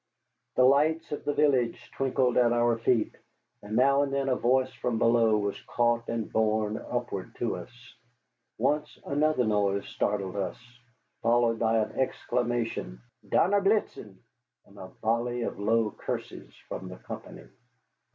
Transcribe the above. The lights of the village twinkled at our feet, and now and then a voice from below was caught and borne upward to us. Once another noise startled us, followed by an exclamation, "Donnerblitzen" and a volley of low curses from the company.